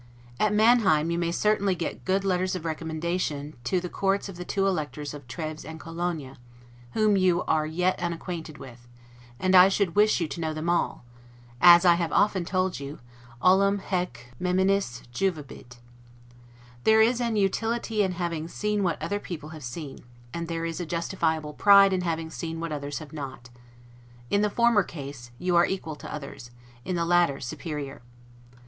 At Manheim you may certainly get good letters of recommendation to the courts of the two Electors of Treves and Cologne, whom you are yet unacquainted with; and I should wish you to know them all; for, as I have often told you, 'olim haec meminisse juvabit'. There is an utility in having seen what other people have seen, and there is a justifiable pride in having seen what others have not seen. In the former case, you are equal to others; in the latter, superior.